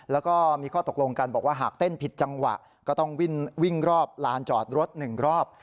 แล้วก็มีข้อตกลงกันบอกว่าหากเต้นผิดจังหวะก็ต้องวิ่งรอบลานจอดรถ๑รอบ